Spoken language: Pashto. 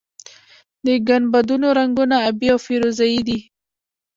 د ګنبدونو رنګونه ابي او فیروزه یي دي.